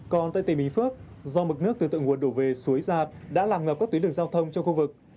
còn tại tây bình phước do mực nước từ tượng nguồn đổ về suối giạt đã làm ngập các tuyến đường giao thông trong khu vực